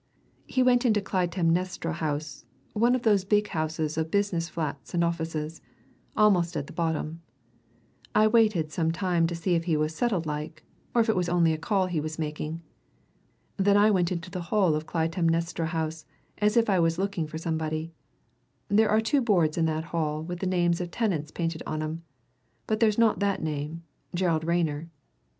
He went into Clytemnestra House one of those big houses of business flats and offices almost at the bottom. I waited some time to see if he was settled like, or if it was only a call he was making. Then I went into the hall of Clytemnestra House, as if I was looking for somebody. There are two boards in that hall with the names of tenants painted on 'em. But there's not that name Gerald Rayner.